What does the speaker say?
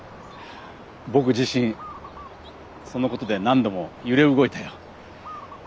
僕自身そのことで何度も揺れ動いたよ。